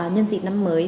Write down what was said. nhân dịp năm mới